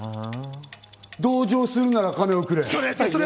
同情するならカネをくれ！